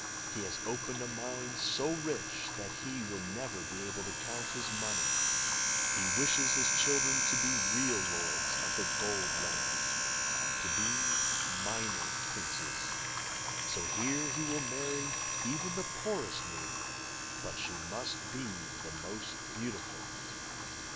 He has opened a mine so rich that he will never be able to count his money. He wishes his children to be real lords of the Gold Land to be miner princes. So here he will marry even the poorest maiden, but she must be the most beautiful."